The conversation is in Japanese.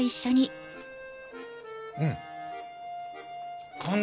うん。